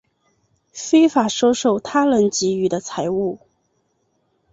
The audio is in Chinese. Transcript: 非法收受他人给予的财物